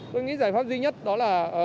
tôi nghĩ giải pháp duy nhất đó là